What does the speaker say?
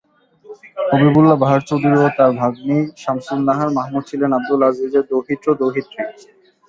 হবীবুল্লাহ বাহার চৌধুরী ও তাঁর ভগ্নী শামসুন্নাহার মাহমুদ ছিলেন আবদুল আজীজের দৌহিত্র-দৌহিত্রী।